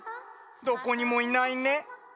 どこにもいないね。